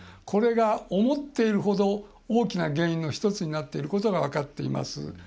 これが、思っているほど大きな原因の１つになっていることが分かっています。